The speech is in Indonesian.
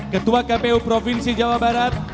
ketua kpu provinsi jawa barat